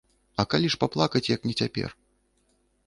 А калі ж паплакаць, як не цяпер?